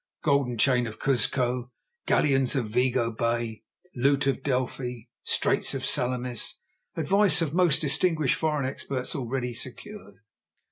Golden chain of Cuzco. Galleons of Vigo Bay. Loot of Delphi. Straits of Salamis. Advice of most distinguished foreign experts already secured.